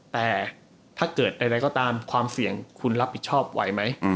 แต่ถ้าเกิดใดก็ตามความเสี่ยงคุณรับผิดชอบไหวไหม